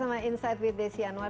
saya juga sudah banyak kalau